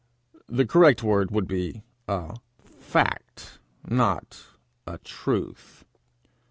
The correct word would be a fact, not a truth.